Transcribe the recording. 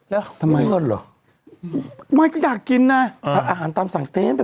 แล้วทำไมเงินเหรอไม่ก็อยากกินนะอ่าอาหารตามสั่งเต็มไป